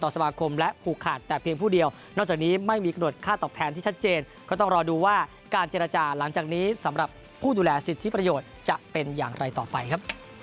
จำกัดมาชนอย่างเป็นทางที่สมากรมแจ้งก็คือ